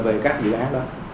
về các dự án đó